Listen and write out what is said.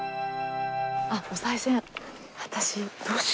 あっおさい銭。